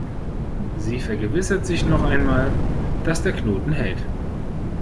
Sie vergewissert sich noch einmal, dass der Knoten hält.